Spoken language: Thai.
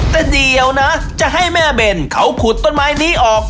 แต่เดี๋ยวนะจะให้แม่เบนเขาขุดต้นไม้นี้ออก